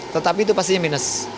tetapi itu pastinya minus